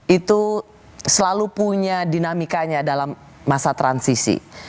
itu selalu punya dinamikanya dalam masa transisi